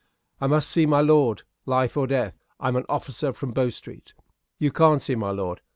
"I must see my lord. Life or death. I'm an officer from Bow Street." "You can't see my lord.